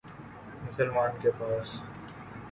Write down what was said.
مسلمان کے پاس